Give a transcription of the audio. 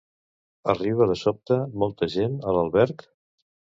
Arriba de sobte molta gent a l'alberg?